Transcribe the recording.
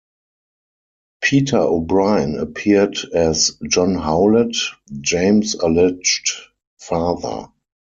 Peter O'Brien appeared as John Howlett, James' alleged father.